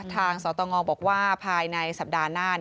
สตงบอกว่าภายในสัปดาห์หน้า